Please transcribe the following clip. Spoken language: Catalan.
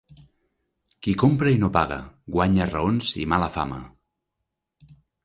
Qui compra i no paga guanya raons i mala fama.